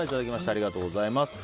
ありがとうございます。